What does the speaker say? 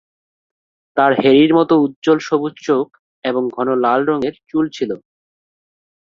তার হ্যারির মত উজ্জ্বল সবুজ চোখ এবং ঘন লাল রঙের চুল ছিল।